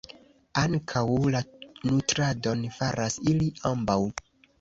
Ankaŭ la nutradon faras ili ambaŭ.